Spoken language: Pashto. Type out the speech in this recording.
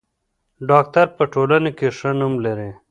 ډاکټر په ټولنه کې ښه نوم لري.